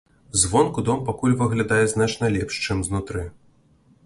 Звонку дом пакуль выглядае значна лепш, чым знутры.